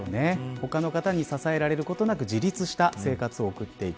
他の方に支えられることなく自立した生活を送っていく。